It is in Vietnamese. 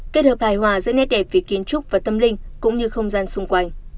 kết hợp hài hòa giữa nét đẹp về kiến trúc và tâm linh cũng như không gian xung quanh